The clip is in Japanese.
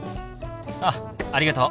あっありがとう。